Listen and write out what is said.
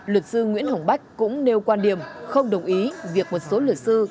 luật sư nguyễn hồng bách cũng nêu quan điểm không đồng ý việc một số luật sư